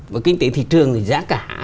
và kinh tế thị trường thì giá cả